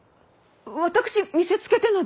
私見せつけてなど。